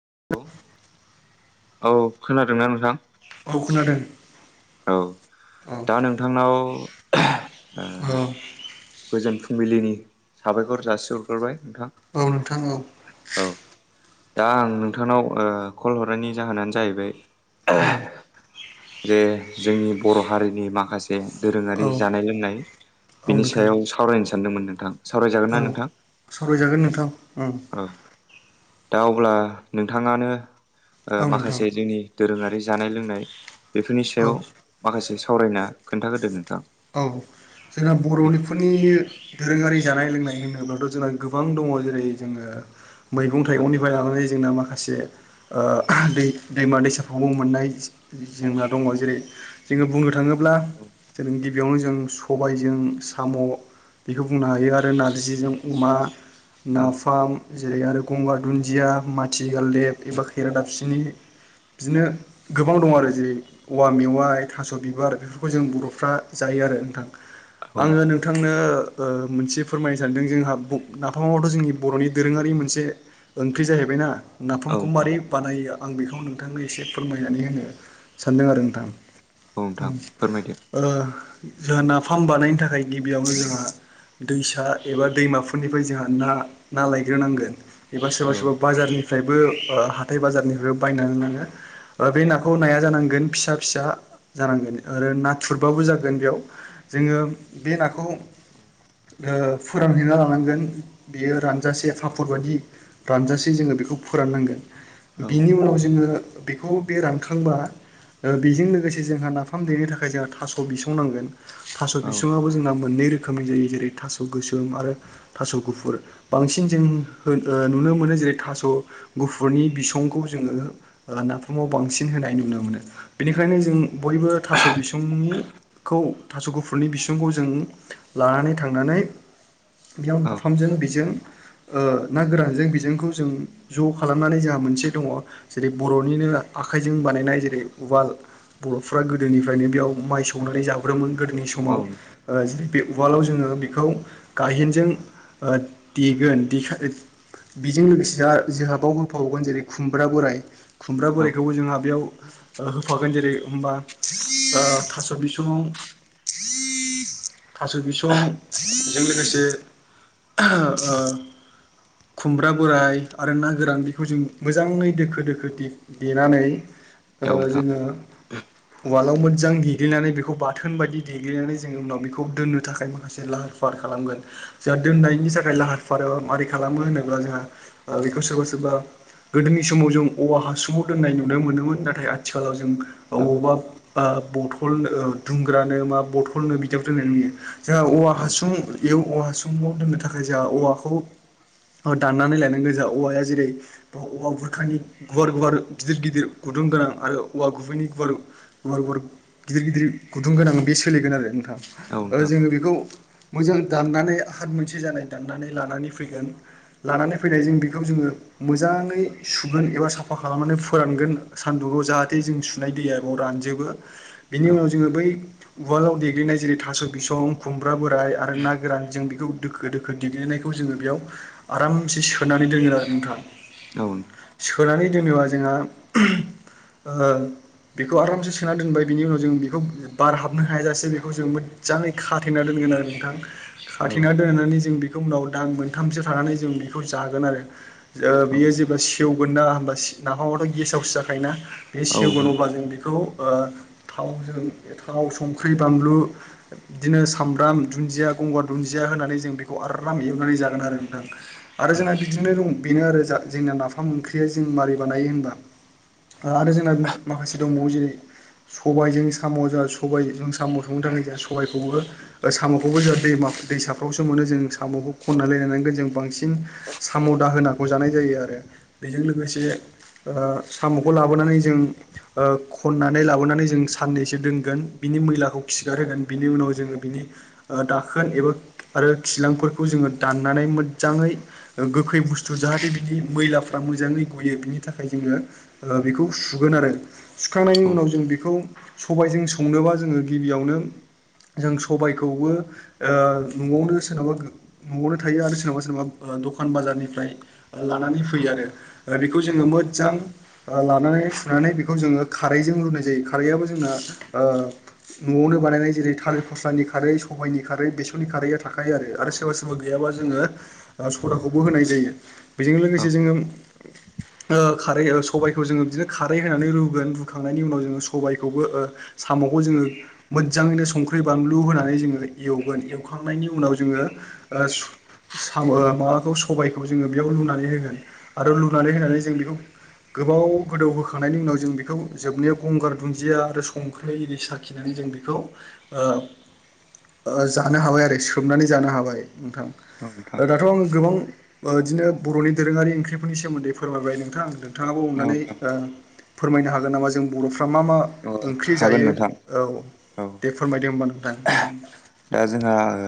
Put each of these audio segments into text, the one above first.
[inaudible] औ खोनादोंना नोंथां औ खोनादों औ औ दा नोंथांनाव ओ औ गोजोन फुंबिलिनि साबायखर जासिहरग्रोबाय नोंथां औ नोंथां औ औ दा आं नोंथांनाव कल हरनायनि जाहोनानो जायैबाय औ जे जोंनि बर' हारिनि माखासे दोरोङारि औ जानाय लोंनाय औ बिनि नोंथां सायाव सावरायनो सानदोंमोन नोंथां सावरायजागोन औ ना नोंथां सावरायजागोन नोंथांं ओम औ दा अब्ला नोंथाङानो ओ औ नोंथां माखासे जोंनि दोरोङारि जानाय लोंनाय बेफोरनि सायाव औ माखासे सावरायना खोन्थागोदो नोंथां औ जोंना दे बर'फोरनि दोरोङारि जानाय लोंनाय होनोब्लाथ' जोंहा गोबां दङ जेरै जोङो मैगं औ थाइगंनिफ्राय लानानै जोंना मा माखासे ओ दै दैमा दैसाफ्रबो मोननाय जोंना दङ जेरै जोङो बुंनो थाङोब्ला जों बेयावनो जों सबायजों साम' बेखौ बुंनो हायो आरो नारजिजों अमा औ औ नाफाम जेरै आरो गंगार दुन्दिया माथि गालदेब एबा खैरा दाबफिनि बिदिनो गोबां दं आरो जेरै औवा मेवाइ थास' बिबार बेफोरखौ जों बर'फ्रा जायो आरो नोंथां औ आङो नोंथां नोंथांनो ओ मोनसे फोरमायनो सानदों जोंहा ब नाफामावथ' जोंनि बर'नि दोरोङारि मोनसे ओंख्रि जाहैबायना औ नाफामखौ नोंथां माबोरै बानायो आं बेखौ नोंथांनो एसे फोरमायनानै होनो। सानदों आरो नोंथां दे औ नोंथां फोरमायदो ओ जोंहा नाफाम बानायनो थाखाय गिबियावनो जोंहा दैसा एबा दैमाफोरनिफ्राय जोंहा ना ना लायग्रोनांगोन। एबा सोरबा औ सोरबा बाजारनि फ्रायबो हाथाय बाजारनिफ्राय बायनानै लाङो बे नाखौ नाया जानांगोन फिसा फिसा जानांगोन आरो नाथुरबाबो जागोन बेयाव जोङो बे नाखौ ओ फोरानहैना लानांगोन बियो रानजासे फापर बायदि रानजासे जोङो बेखौ फोराननांगोन औ बिनि उनाव जोङो बेखौ बे रानखांबा ओ बेजों लोगोसे जोंहा नाफाम देनो थाखाय जोंहा थास' बिसं सं नांगोन थास नोंथां बिबाबो जोंहा मोननै रोखोम खोमै जायो जेरै थास गोसोम आरो थास' गुफुर बांसिन जों हो नुनो मोनो जो जेरै थास' गुफुरनि बिसंखौ जोङो नाफामाव बांसिन होनाय नुनो मोनो। बेनिखायनो जों बयबो थास' बिसुंनिखौ थास' गुफुरनि बिसुं सुंखौ जों लानानै थांनानै बेयाव औ नाफामजों बेजों ओ ना गोरानजों बेजोंखौ जों ज' खालामनानै जोंहा मोनसे दङ जेरै बर'निनो आखायजों बानायनाय जेरै उवाल बर'फोरा गोदोनि फ्रायनो बेयाव माय सौ नानै जाबोदोंमोन गोदोनि औ समाव नोंथां ओ जेरै बे उवालाव जोङो बेखौ गाहेनजों ओ देगोन देखान बेजों लोगोसेहा जोंहाबाव होफावगोन जेरै खुमब्रा बोराय खुमब्रा औ बोरायखौबो जोंहा बेयाव ओ होफागोन जेरै बा थास' बिसङाव थास' बिसंजों लोगोसे ओ खुमब्रा बोराय आरो ना गोरान बेखौ जों मोजाङै दोखो दे दोखो देनानै औ ओ नोंथां जोङो उवालाव मोजां दे देग्लिनानै बेखौ बाथोन बायदि देग्लिनानै जोंङो उनाव बेखौ दोननो थाखाय माखासे लाहार फाहार खालामगोन जा दोननायनि थाखाय लाहार फाहाराव माबारै खालामो होनोब्ला जोंहा बेखौ सोरबा सोरबा गोदोनि समाव जों औवा हासुङाव दोननाय नुनो मोनोमोन नाथाय आथिखालाव जों औ अबावबा ओ बथ बथल दुंग्रानो मा बथलनो बिदियाव दोननाय नुयो जोंहा औवा औ हासुं इयाव औवाहासुंआव दोननो थाखाय जोंहा औवाखौ ओ दाननानै लायनांगौ जोंहा औवाया जेरै औवा गुरखानि गुवार गुवार गिदिर गिदिर गुदुं गोनां आरो औवा गुबैनि गुवार गुवार गुवार गिदिर गिदिर गुदुं गोनां बे सोलिगोन आरो नोंथां ओ नोंथां जोङो बेखौ मोजां दाननानै आखाद मोनसे जानाय दाननानै लानानै फैगोन लानानै फैनायजों बेखौ जोङो मोजाङै सुगोन एबा साफा खालामनानै फोरानगोन सान्दुङाव जाहाथे जों सुनाय दैया बेयाव रान जोबो बिनि औ उनाव जोङो बै उवालाव देग्लिनाय जेरै थास' बिसं खुमब्रा बोराय आरो ना गोरान जों बेखौ दोखो दोखो देग्लिनायखौ जोङो बेयाव आरामसे सोनानै दोनो आरो नोंथां। औ नोंथां। सोनानै दोनोबा जोंहा ओ बेखौ आरामसे सोना दोनबाय बिनि उनाव जों बेखौ बारहाबनो हायाजासे बेखौ जों मोजजाङै खाथेना दोनगोन आरो नोंथां। औ खाथेना दोननानै जों बे खौ उनाव दानमोनथामसो थानानै जों बेखौ जागोन आरो ओ औ नोंथां बेयो जेब्ला सेवगोन ना होनबा नाफामाथ' गेसावसो जाखायोना बे औ सेवगोन अब्ला जों बेखौ ओ थावजों थाव संख्रि बानलु बिदिनो सामब्राम दुन्दिया गंगार दुन्दिया होननानै जों बेखौ आराम एवनानै जागोन आरो नोंथां आरो जोंहा नोंथां बिदिनो दं बेनो आरो जा जोंना नाफाम ओंख्रिया जों माबोरै बानायो होनबा ओ आरो जोंना माख-माखासे दंबावो जेरै सबायजों साम' जोंहा सबायजों साम' संनो थाखाय जोंहा सबायखौ अरो ओ साम'खौबो जोंहा दैमा दैसाफ्रावसो मोनो जों साम'खौ खनलायलायनानै जों बांसिन साम' दाहोनाखौ जानाय जायो आरो। बेजों लोगोसे ओ साम'खौ लाबोनानै जों ओ खननानै लाबोना नै जों साननैसो दोनगोन बिनि मैलाखौ खिगार होगोन बिनि उनाव जो बिनि ओ दाखोन एबा आरो खिलांफोरखौ जोङो दाननानै मोजाङै गोखै बुस्थु जाहाथे बिदि मैला लाफ्रा मोजाङै गयो बिनि थाखाय जोङो ओ बेखौ सुगोन आरो सुखांनायनि औ उनाव जों बे सबायजों संनोबा जोङो गिबियावनो जों सबायखौबो ओ न'आवनो सोरनोबा गो न'आवनो थायो आरो सोरनावबा सोरनावबा दखान बाजारनिफ्राय लानानै फैयो आरो बेखौ जोङो मोजां ओ लानानै सुनानै बेखौ जोङो खारैजों रुनाय जायो खारैआबो जोंना ओ न'आवनो बानायनाय जेरै थालिर फस्लानि खारै सबाइनि खारै बेसरनि खारैआ थाखायो आरो सोरबा सोरबा गैयाबा जोङो ओ साडाखौबो होनाय जायो बेजों लोगोसे जोङो ओ खारै ओ सबायफोरजों जोङो बिदिनो खारै होनानै रुगोन रुखांनायनि उनाव जोङो स सबायखौबो ओ साम'खौ जोङो मोजाङैनो संख्रि बानलु होनानै जोङो एवगोन एवखा खांनायनि उनाव जोङो ओ सु साम' ओ माबाखौ सबायखौ जोङो बेयाव लुनानै होगोन आरो लुनानै होनानै जों बेखौ गोबाव गोदौ होखांनायनि उनाव जों बेखौ जोबनायाव गंगार दुन्दिया आरो संख्रि एदि साखिनानै जों बेखौ ओ ओ जानो हाबाय आरो सोमनानै जानो हाबाय। नोंथां ओ दाथ' आं गोबां ओ बिदिनो बर'नि दोरोङारि ओंख्रिफोरनि सोमोन्दै फोरमायबाय नोंथां नोंथाङाबो नोंथां अ अननानै ओ फोरमायनो हागोन नामा जों बर'फ्रा मा मा ओंख्रि हागोन जायो नोंथां औव दे फोरमायदों होनबा नों [unintelligible] ओ जोंहा ओ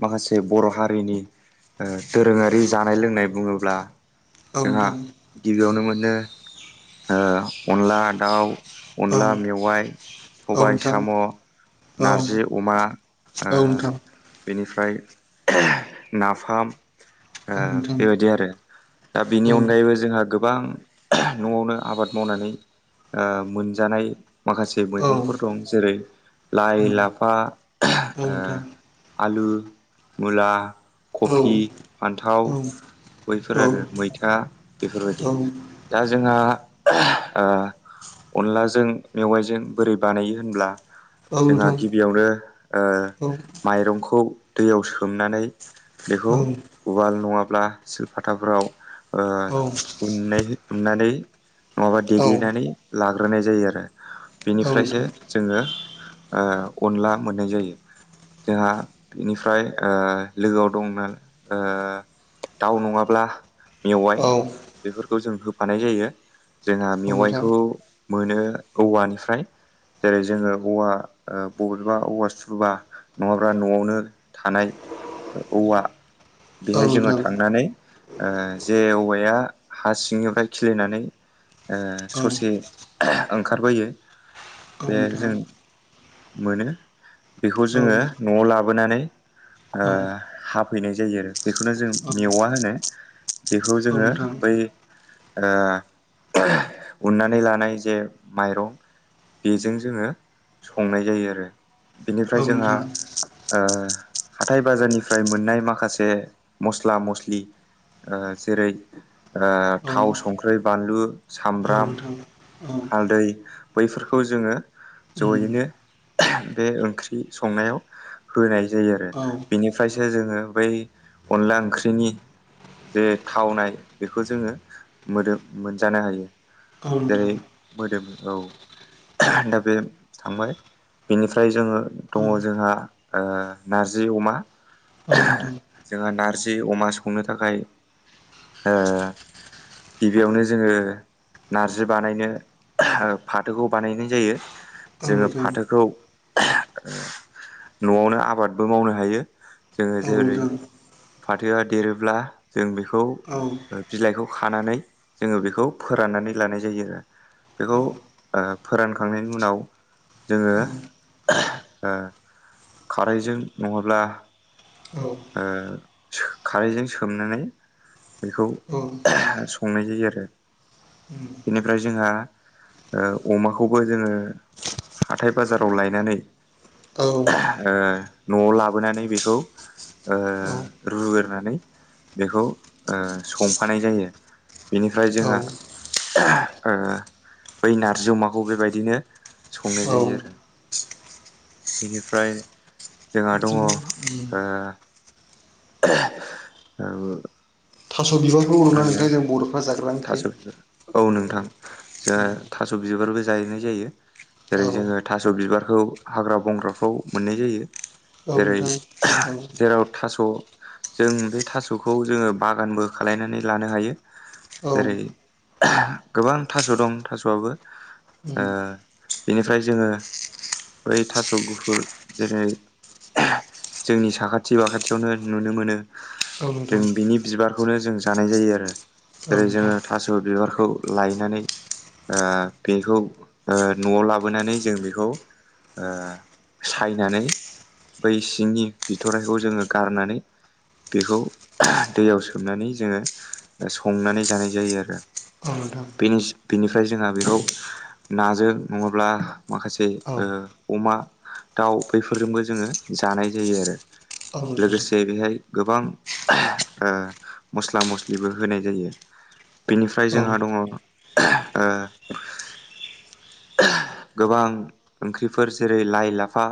माखासे बर' हारिनि ओ दोरोङारि जानाय लोंनाय बुङोब्ला नोंथां औ जोंहा नोंथां गिबियावनो मोनो ओ अनला दाउ औ अनला मेवाइ औ सबाय नोंथां साम' औ नारजि मा औ ओ नोंथां बेनिफ्राय [unintelligible] नाफाम ओ औ नोंथां बेबायदि आरो दा बेनि औ अनगायैबो जोंहा गोब बां न'आवनो आबाद मावनानै ओ मोनजानाय माखासे औ मैगंफोर दं जेरै लाइ नोंथां औ लाफा फा औ [unintelligible] ओ नोंथां आलु मुला औ कफि फान्थाव औ बैफोर आरो मैथा बेफोरबायदि दा जोंहा [unintelligible] ओ अनलाजों मेवाइजों बोरै बानायो होनब्ला औ नोथां बेयावनो ओ माइरंखौ दैयाव सोमनानै बेखौ उवाल नङाब्ला सिलपाथाफोराव ओ उननाय उननानै नङाबा देग्लिनानै लाग्रोनाय जायो आरो औ बेनिफ्रायसो नोंथां जोङो ओ अनला मोननाय जायो जोंहा बिनिफ्राय ओ लोगोआव दंमोन ओ दाउ नङाब्ला मेवाइ औ बेफोरखौ जों होफानाय जायो जोंहा औ नोंथां मेवाइखौ मोनो औवानिफ्राय जेरै जोङो औवा ओ बबेबा औवा सुबा नङाब्ला न'आवनो थानाय औवा औ बेहाय जोङो नोंथां थांनानै ओ जे औवाया हा सिंनिफ्राय खिलिनानै ओ औ ससे ओंखारबोयो औ बे नोंथां जों मोनो बेखौ औ जोङो न'आव लाबोनानै ओ औ हाफैनाय जायो आरो बेखौनो जों औ मेवा होनो बेखौ औ जोङो नोंथां बै ओ उननानै लानाय जे माइरं बेजों जोङो संनाय जायो आरो बिनिफ्राय औ जोंहा नोंथां ओ हाथाय बाजारनिफ्राय मोननाय माखासे मस्ला मस्लि ओ जेरै ओ औ थाव, संख्रि, बानलु, औ सामब्राम, नोंथां औ हालदै बैफोरखौ जोङो उम जयैनो बे ओंख्रि संनायाव होनाय जायो आरो औ बिनिफ्रायसो जोङो बै अनला ओंख्रिनि जे थावनाय बेखौ जोङो मोदोम मोनजानो हायो। औ जेरै नोंथां मोदोम औ औ दा बे थांबाय बेनिफ्राय जोङो दङ औ जोंहा ओ नारजि अमा ओम नोंथां जि अमा संनो थाखाय गिबियावनो जोङो नारजि बानायनो फाथोखौ बानायनाय जायो। औ जोङो नोंथां फाथोखौ न'आवनो आबादबो मावनो हायो। जोङो औ जेरै औ औ उम फाथोआ देरोब्ला जों बेखौ बिलाइखौ खानानै जोङो बेखौ फोराननानै लानाय जायो आरो बेखौ ओ फोरानखांनायनि उनाव जोङो ओ खारैजों नङाब्ला ओ खारैजों सोमनानै बेखौ संनाय जायो आरो बेनिफ्राय जोंहा अमाखौबो जोङो हाथाय बाजाराव लायनानै न'आव लाबोनानै बेखौ ओ औ रुग्रोनानै बेखौ संफानाय ओ जायो बेनिफ्राय औ जोंहा ओ बै नारजि अमाखौ बेबायदिनो संनाय औ जायो आरो बेनिफ्राय जोंहा दङ बिदिनो ओ मा ओ थास' बिबारखौ औ ना होनो नोंथां जों बर'फोरा जायो थास' बिबार औ नोंथां जोंहा उम थास' बिबारबो जाहैनाय जायो। जेरै औ जोङो थास' बिबारखौ हाग्रा-बंग्राफ्राव मोननाय जायो। औ जेरै नोंथां औ जेराव थास' जों बे थास'खौ जोङो बागानबो खालायनानै लानो हायो औ जेरै उम गोबां थास' दं थास'आबो ओ बिनिफ्राय जोङो बै थास' गुफुर जेरै जोंनि साखाथि बाखाथियावनो नुनो मोनो औ जों नोंथां बिनि बिबारखौनो जों जानाय जायो आरो औ जेरै नोंथां जोङो थास' बिबारखौ लायनानै बेखौ न'आव लाबोनानै जों बेखौ ओ सायनानै बै सिंनि बिथराइखौ जोङो गारनानै बेखौ दैयाव सोमनानै जोङो संनानै जानाय जायो आरो औ नोंथां बेनि बेनिफ्राय जोंहा बेखौ नाजों नङाब्ला माखासे औ ओ अमा, दाउ बैफोरजोंबो जोङो जानाय जायो आरो औ नोंथां लोगोसे बेहाय गोबां ओ मस्ला मस्लिबो होनाय जायो बेनिफ्राय औ जोंहा दङ ओ [unintelligible] गोबां ओंख्रिफोर जेरै लाइ लाफा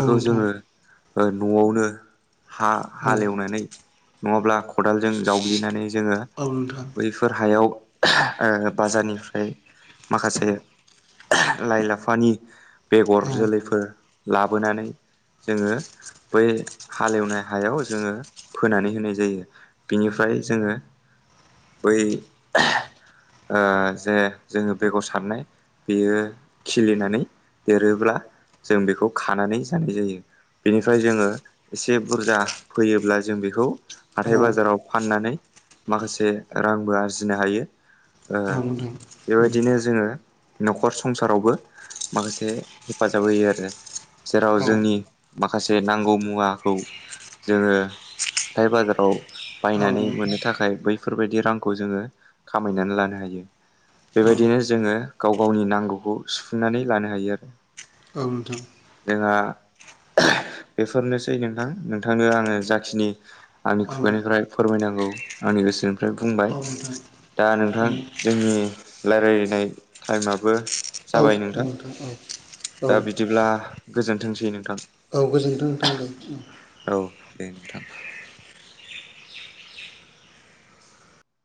औ नोंथां जोङो ओ न'आवनो हा औ हालेवनानै नङाब्ला खदालजों जावग्लिनानै जोङो औ नोंथां बैफोर हायाव बाजारनिफ्राय माखासे लाइ लाफानि बेगर औ जोलैफोर लाबोनानै जोङो बै हालेवनाय हायाव जोङो फोनानै होनाय जायो बिनिफ्राय जोङो बै ओ जे जोङो बेगर सारनाय बेयो खिलिनानै देरोब्ला जों बेखौ खानानै जानाय जायो। बेनिफ्राय जोङो एसे बुरजा फैयोब्ला जों बेखौ हाथाय औ बाजाराव फाननानै माखासे रांबो आरजिनो हायो ओ औ नोंथां औ नोंथां औ नोंथां औ नोंथां औ बेबायदिनो जोङो न'खर संसारावबो माखासे हेफाजाब होयो आरो जेराव जोंनि माखासे नांगौ मुवाखौ जोङो हाथाय बाजाराव बायनानै मोननो थाखाय बैफोरबायदि रांखौ जोङो खामायनानै लानो हायो। बेबायदिनो जोङो गाव गावनि नांगौखौ सुफुंनानै लानो हायो आरो औ नोंथां जोंहा [unintelligible] एफोरनोसै नोंथां नोंथांनो आङो जाखिनि आंनि खुगानिफ्राय फोरमायनांगौ आंनि गोसोनिफ्राय बुंबाय दा नोंथां जोंनि रायलायनाय टाइमाबो जाबाय नोंथां औ औ दा औ बिदिब्ला गोजोनथोंसै नोंथां। गोजोनथों नोंथां औ दे नोंथां।